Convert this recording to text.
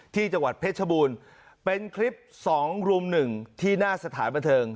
ที่จังหวัดเพชรบูรณ์เป็นคลิปสองรุ่มหนึ่งที่หน้าสถานบันเทิง